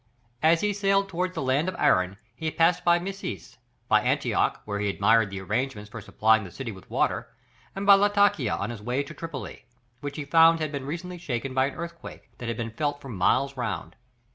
As he sailed towards the land of Aram, he passed by Messis, by Antioch, where he admired the arrangements for supplying the city with water, and by Latakia on his way to Tripoli, which he found had been recently shaken by an earthquake, that had been felt for miles round.